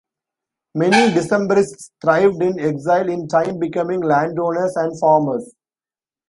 Many Decembrists thrived in exile, in time becoming landowners and farmers.